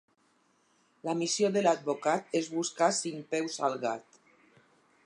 La missió de l'advocat és buscar cinc peus al gat.